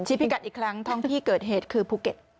พิกัดอีกครั้งท้องที่เกิดเหตุคือภูเก็ต